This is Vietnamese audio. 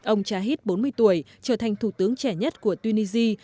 ông chahid bốn mươi tuổi trở thành thủ tướng trẻ nhất của tunisie